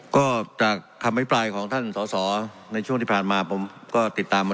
ก็จากคำพิปรายของท่านสอสอในช่วงที่ผ่านมาผมก็ติดตามมา